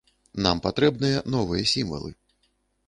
Нам патрэбныя новыя сімвалы.